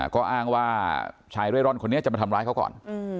ก็อ้างว่าชายเร่ร่อนคนนี้จะมาทำร้ายเขาก่อน